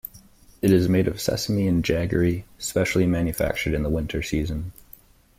It is made of sesame and jaggery specially manufactured in the winter season.